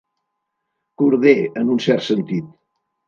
Corder, en un cert sentit.